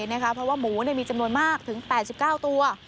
เพราะว่าหมูมีจำนวนมากถึง๘๙ตัว